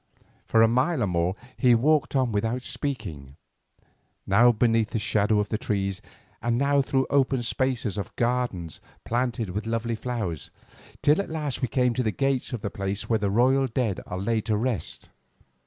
For a mile or more he walked on without speaking, now beneath the shadow of the trees, and now through open spaces of garden planted with lovely flowers, till at last we came to the gates of the place where the royal dead are laid to rest.